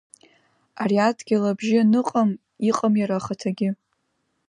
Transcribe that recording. Ари адгьыл абжьы аныҟам иҟам иара ахаҭагьы!